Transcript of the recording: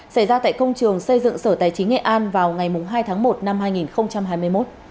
xảy ra tại công trường xây dựng sở tài chính nghệ an vào ngày hai tháng một năm hai nghìn hai mươi một